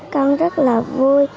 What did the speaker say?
con rất là vui